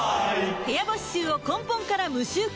部屋干し臭を根本から無臭化